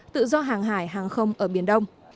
tự do hàng hải hàng không ở biển đông